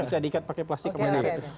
bisa diikat pakai plastik kemana